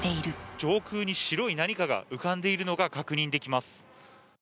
上空に白い何かが浮かんでいるのが確認できます。